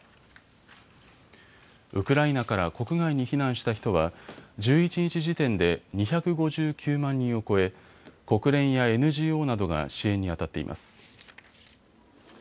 ウクライナから国外に避難した人は、１１日時点で２５９万人を超え国連やＮＧＯなどが支援にあたっています。